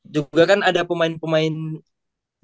juga kan ada pemain pemain